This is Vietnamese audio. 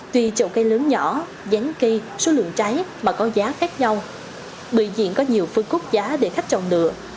tuy chậu cây lớn nhỏ dáng cây số lượng trái mà có giá khác nhau bữa diễn có nhiều phương cốt giá để khách trồng lựa